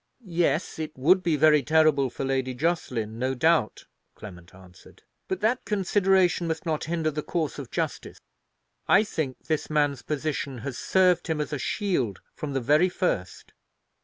"Yes, it would be very terrible for Lady Jocelyn, no doubt," Clement answered; "but that consideration must not hinder the course of justice. I think this man's position has served him as a shield from the very first.